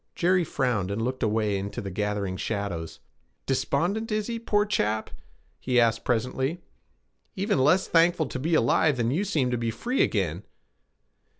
Jerry frowned, and looked away into the gathering shadows. 'Despondent is he, poor chap?' he asked presently. 'Even less thankful to be alive than you seem to be free again.'